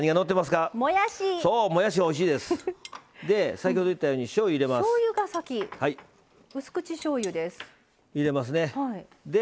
先ほど言ったようにしょうゆ入れます。